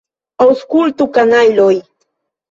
Aŭskultu, kanajloj!